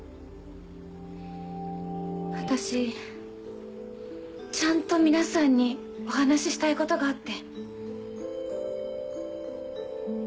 私ちゃんと皆さんにお話ししたいことがあって。